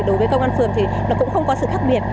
đối với công an phường thì nó cũng không có sự khác biệt